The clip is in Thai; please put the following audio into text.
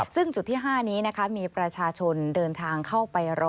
ซึ่งจุดที่๕นี้นะคะมีประชาชนเดินทางเข้าไปรอ